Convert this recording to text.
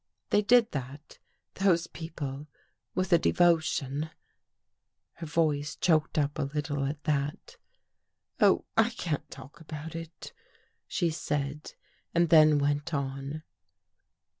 They did that, those people, with a devotion ..." Her voice choked up a little at that. " Oh, I can't talk about it," she said and then went on.